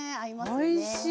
おいしい！